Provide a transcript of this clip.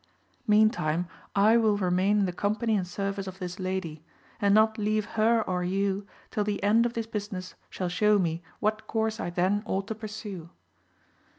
Meantime I will remain in the company and service of this lady, and not leave her or you, till the end of this business shall show me what course I then ought to pursue.